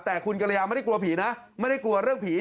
แต่คุณกรยาไม่ได้กลัวผีนะไม่ได้กลัวเรื่องผี